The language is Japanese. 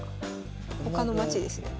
他の街ですね。